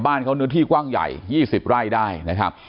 บ้านเขาเนื้อที่กว้างใหญ่๒๐ไร่ได้นะครับ